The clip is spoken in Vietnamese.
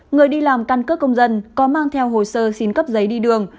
người đi làm căn cước công dân có mang theo hồ sơ xin cấp giấy đi đường